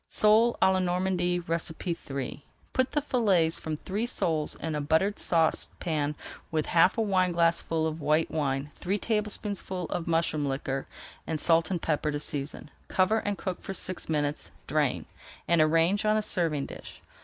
SOLE À LA NORMANDY III Put the fillets from three soles in a buttered saucepan with half a wineglassful of white wine, three tablespoonfuls of mushroom liquor, and salt and pepper to season. Cover and cook for six minutes, drain, and arrange on a serving dish.